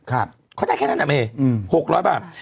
เขาได้แค่นั้นนะเมย์๖๐๐บาท